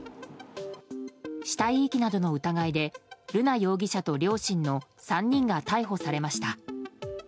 死体遺棄などの疑いで瑠奈容疑者と両親の３人が逮捕されました。